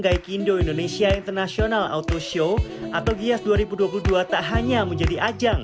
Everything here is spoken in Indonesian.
gaikindo indonesia international auto show atau giias dua ribu dua puluh dua tak hanya menjadi ajang